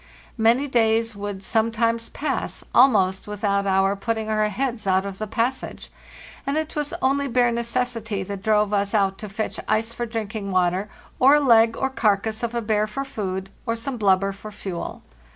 Many days would some times pass almost without our putting our heads out of the passage, and it was only bare necessity that drove us out to fetch ice for drinking water, or a leg or carcass of a bear for food, or some blubber for fuel.